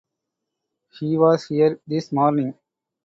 He was here this morning.